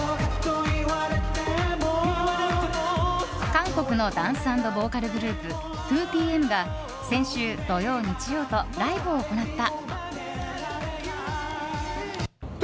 韓国のダンス＆ボーカルグループ２ＰＭが先週土曜、日曜とライブを行った。